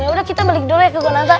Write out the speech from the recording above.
yaudah kita balik dulu ya ke gunung